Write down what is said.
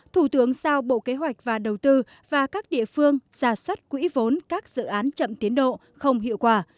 thủ tướng sao bộ kế hoạch và đầu tư và các địa phương giả soát quỹ vốn các dự án chậm tiến độ không hiệu quả